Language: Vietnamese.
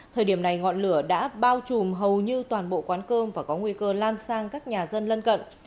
thời điểm này ngọn lửa đã bao trùm hầu như toàn bộ quán cơm và có nguy cơ lan sang các nhà dân lân cận